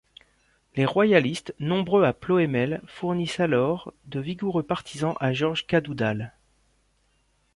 Les royalistes, nombreux à Ploemel, fournissent alors de vigoureux partisans à Georges Cadoudal.